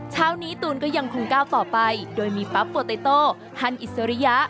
เช้านี้ตูนก็ยังคงก้าวต่อไปโดยมีปั๊บโฟเตโตฮันอิสริยะ